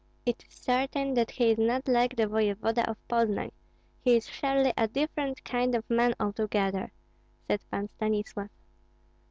"It is certain that he is not like the voevoda of Poznan; he is surely a different kind of man altogether," said Pan Stanislav.